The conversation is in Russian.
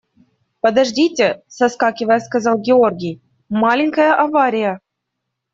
– Подождите, – соскакивая, сказал Георгий, – маленькая авария.